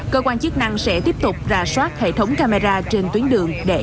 cơ quan chức năng sẽ tiếp tục ra soát hệ thống camera trên tuyến đường để làm rõ